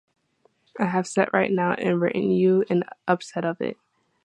I have set right down and written you an upset of it.